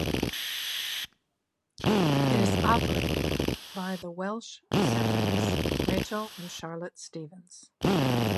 It is operated by the Welsh siblings Rachel and Charlotte Stevens.